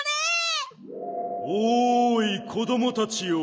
おい子どもたちよ。